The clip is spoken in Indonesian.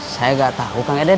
saya nggak tahu kang eden